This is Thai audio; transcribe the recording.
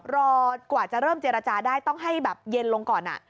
กว่าจะเริ่มเจรจาได้ต้องให้แบบเย็นลงก่อน